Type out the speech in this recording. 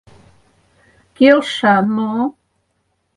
Келша, но...